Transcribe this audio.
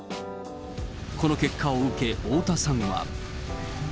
この結果を受け、太田さんは。